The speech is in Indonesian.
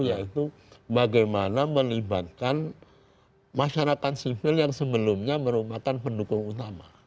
yaitu bagaimana melibatkan masyarakat sipil yang sebelumnya merupakan pendukung utama